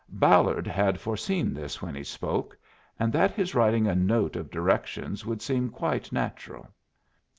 Ballard had foreseen this when he spoke, and that his writing a note of directions would seem quite natural.